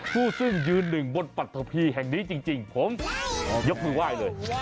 ผู้ซึ่งยืนหนึ่งบนปัทธพีแห่งนี้จริงผมยกมือไหว้เลย